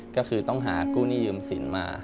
ก็คือต้องหากู้หนี้ยืมสินมา